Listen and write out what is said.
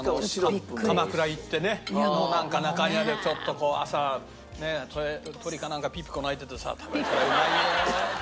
鎌倉行ってねなんか中庭でちょっとこう朝ね鳥かなんかピーピコ鳴いててさ食べたらうまいよ。